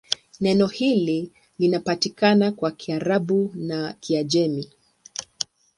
Neno hili linapatikana kwa Kiarabu na Kiajemi.